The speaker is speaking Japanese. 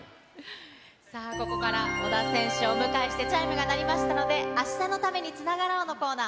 さあ、ここから小田選手をお迎えしてチャイムが鳴りましたので、明日のために、今日つながろう。のコーナー